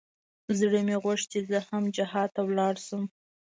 زړه مې غوښت چې زه هم جهاد ته ولاړ سم.